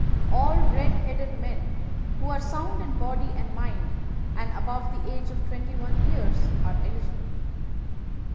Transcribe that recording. All red headed men who are sound in body and mind and above the age of twenty one years, are eligible.